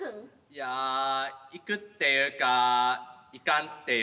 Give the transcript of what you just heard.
いや行くっていうか行かんっていうか。